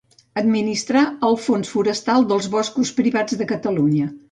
Administrar el Fons forestal dels boscos privats de Catalunya.